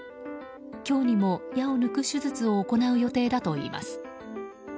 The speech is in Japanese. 今日にも矢を抜く手術を行う予定だといいます。